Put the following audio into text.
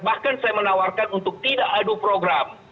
bahkan saya menawarkan untuk tidak adu program